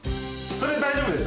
それで大丈夫です。